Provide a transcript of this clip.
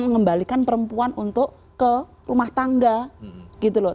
mengembalikan perempuan untuk ke rumah tangga gitu loh